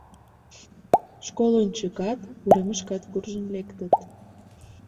Школ ончыкат, уремышкат куржын лектыт.